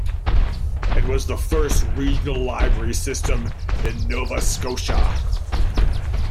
It was the first regional library system in Nova Scotia.